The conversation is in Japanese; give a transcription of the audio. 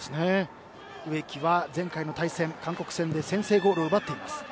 植木は前回の対戦、韓国戦で先制ゴールを奪っています。